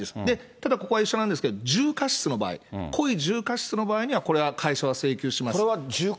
ただ、ここは一緒なんですけど、重過失の場合、故意、重過失の場合は、これは会社は請求します。